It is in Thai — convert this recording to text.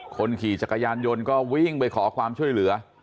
คนขี่จักรยานยนต์ก็วิ่งไปขอความช่วยเหลือ